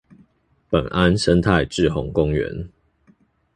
本安生態滯洪公園